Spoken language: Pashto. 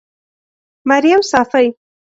مريم صافۍ